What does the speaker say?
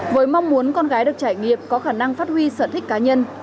với mong muốn con gái được trải nghiệm có khả năng phát huy sở thích cá nhân